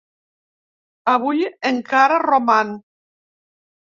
Avui encara roman.